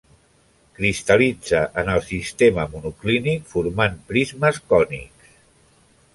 Cristal·litza en el sistema monoclínic formant prismes cònics.